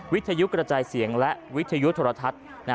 วิทยุกระจายเสียงและวิทยุโทรทัศน์